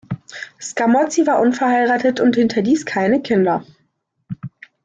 Scamozzi war unverheiratet und hinterließ keine Kinder.